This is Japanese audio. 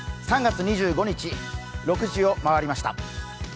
３月２５日、６時を回りました。